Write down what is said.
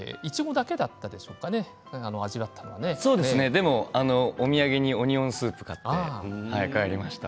でもお土産にオニオンスープを買って帰りました。